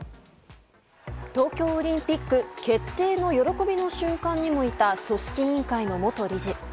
東京オリンピック決定の喜びの瞬間にもいた組織委員会の元理事。